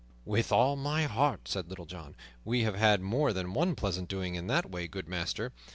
"With all my heart," said Little John. "We have had more than one pleasant doing in that way, good master.